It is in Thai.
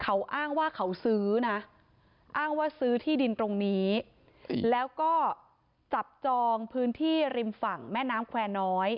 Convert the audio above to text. เขาอ้างว่าเขาซื้อนะอ้างว่าซื้อที่ดินตรงนี้แล้วก็จับจองพื้นที่ริมฝั่งแม่น้ำแควร์น้อย